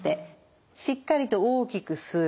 しっかりと大きく吸う。